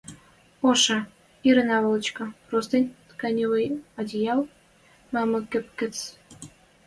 Ошы, ире наволочка, простынь, тканевӹй одеял, мамык кӹпцӹк.